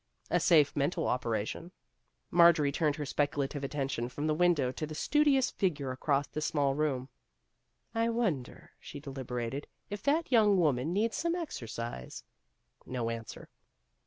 '' A safe mental operation." Marjorie turned her speculative atten tion from the window to the studious fig ure across the small room. " I wonder," she deliberated, " if that young woman needs some exercise." No answer.